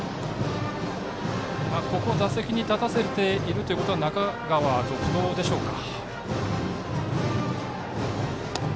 打席に立たせているということは中川、続投でしょうか。